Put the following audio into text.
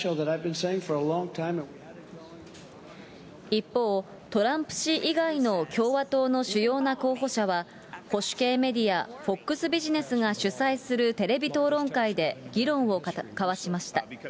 一方、トランプ氏以外の共和党の主要な候補者は、保守系メディア、ＦＯＸビジネスが主催するテレビ討論会で議論を交わしました。